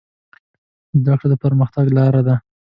زده کړه د پرمختګ لاره ده.